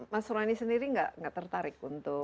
mas rwani sendiri gak tertarik untuk